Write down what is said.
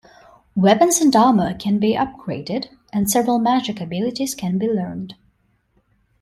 Weapons and armor can be upgraded and several magic abilities can be learned.